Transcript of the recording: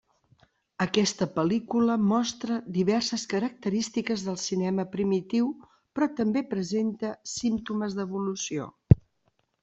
Aquesta pel·lícula mostra diverses característiques del cinema primitiu però també presenta símptomes d'evolució.